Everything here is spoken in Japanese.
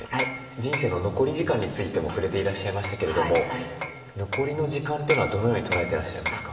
人生の残り時間についても触れていらっしゃいましたけれども残りの時間というのはどのように捉えてらっしゃいますか？